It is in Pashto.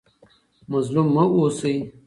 مظلوم مه اوسئ.